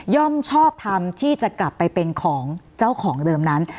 ชอบทำที่จะกลับไปเป็นของเจ้าของเดิมนั้น